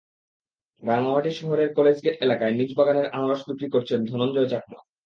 রাঙামাটি শহরের college gate এলাকায় নিজ বাগানের আনারস বিক্রি করছেন ধনঞ্জয় চাকমা।